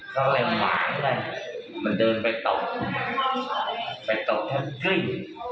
ก็เลยหวานกันมันเดินไปตกไปตกแค่กริ่ง